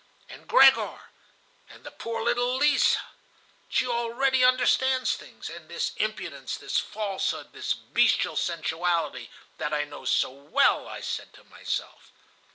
And Gregor? And the poor little Lise? She already understands things. And this impudence, this falsehood, this bestial sensuality, that I know so well,' I said to myself.